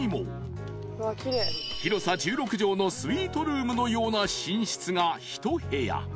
［広さ１６畳のスイートルームのような寝室が１部屋］